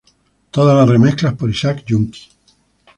Todos las remezclas por Isaac Junkie.